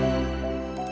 tuhan membukakan mataku